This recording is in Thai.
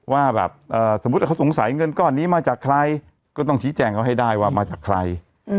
ว่าแบบสมมุติเขาสงสัยเงินก้อนนี้มาจากใครก็ต้องชี้แจงเขาให้ได้ว่ามาจากใคร